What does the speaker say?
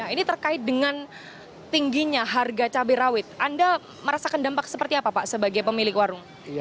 ini terkait dengan tingginya harga cabai rawit anda merasakan dampak seperti apa pak sebagai pemilik warung